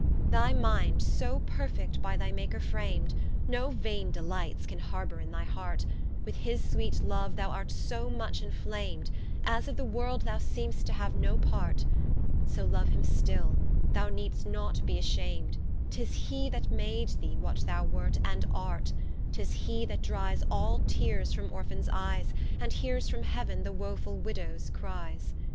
Thy Mind so perfect by thy Maker fram'd, No vaine delights can harbour in thy heart, With his sweet loue, thou art so much inflam'd, As of the world thou seem'st to have no part; So, love him still, thou need'st not be asham'd, Tis He that made thee, what thou wert, and art: Tis He that dries all teares from Orphans eies, And heares from heav'n the wofull widdows cries.